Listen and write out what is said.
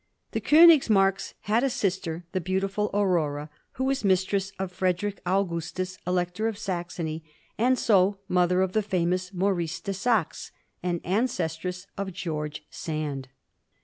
The Konigsmarks had a sister, the beautiful Aurora, who was mistress of Frederick Augustus, Elector of Saxony, and so mother of the famous Maurice de Saxe, and ancestress of George Sand.